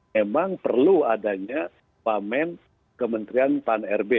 memang perlu adanya wamen kementerian pan rb